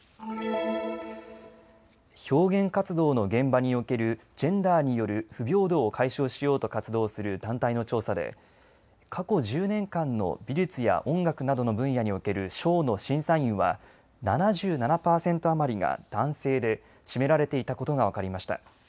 表現活動の現場におけるジェンダーによる不平等を解消しようと活動する団体の調査で、過去１０年間の美術や音楽などの分野における賞の審査員は７７％余りが男性で占められていたことが分かりました。